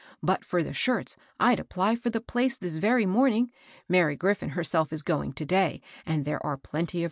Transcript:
But for the shirts, I'd apply for the place this very morning. Mary GrifBn herself is going to day, and there are plenty of.